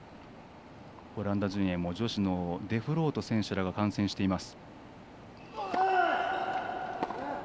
オランダ陣営も女子のデフロート選手らが観戦しています。